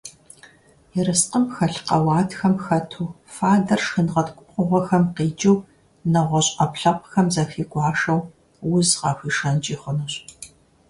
Ерыскъым хэлъ къэуатхэм хэту фадэр шхынгъэткӀу пкъыгъухэм къикӀыу, нэгъуэщӀ Ӏэпкълъэпкъхэм зыхигуашэу, уз къахуишэнкӀи хъунущ.